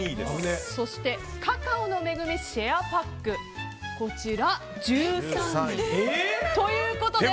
そしてカカオの恵みシェアパック１３位。ということで。